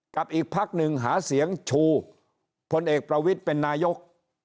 กับอีกพักหนึ่งหาเสียงชูพลเอกประวิทย์เป็นนายก